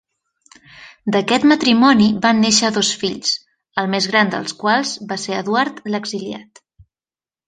D'aquest matrimoni van néixer dos fills, el més gran dels quals va ser Eduard l'Exiliat.